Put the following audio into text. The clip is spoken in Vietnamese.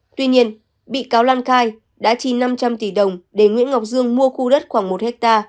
tuy nhiên bị cáo lan khai đã chi năm trăm linh tỷ đồng để nguyễn ngọc dương mua khu đất khoảng một ha